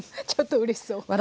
ちょっとうれしそう。